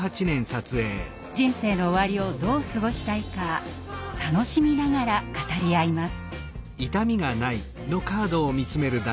人生の終わりをどう過ごしたいか楽しみながら語り合います。